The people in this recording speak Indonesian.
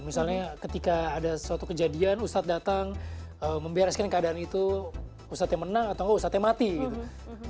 misalnya ketika ada suatu kejadian ustad datang membereskan keadaan itu ustad yang menang atau engga ustad yang mati gitu